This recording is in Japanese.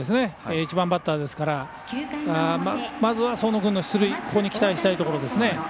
１番バッターですからまずは僧野君の出塁にここに期待したいところですね。